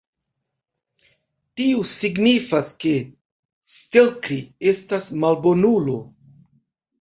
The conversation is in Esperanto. Tio signifas, ke Stelkri estas malbonulo.